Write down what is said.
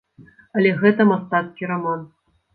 Але гэта мастацкі раман.